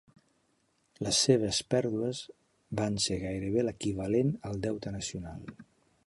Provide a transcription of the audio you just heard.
Les seves pèrdues van ser gairebé l'equivalent al deute nacional.